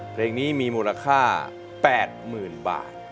เพลงนี้มีมูลค่า๘๐๐๐บาท